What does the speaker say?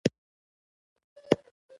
سهار بیا دا کار نه کېده.